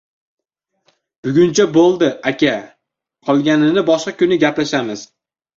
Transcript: Buguncha bo‘ldi, aka, qolganini boshqa kun gaplashamiz.